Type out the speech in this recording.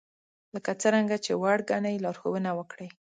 لکه څرنګه چې وړ ګنئ لارښوونه وکړئ